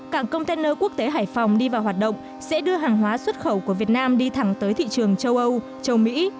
cảng container quốc tế hải phòng đi vào hoạt động sẽ đưa hàng hóa xuất khẩu của việt nam đi thẳng tới thị trường châu âu châu mỹ